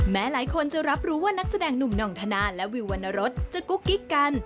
หลายคนจะรับรู้ว่านักแสดงหนุ่มหน่องธนาและวิววรรณรสจะกุ๊กกิ๊กกัน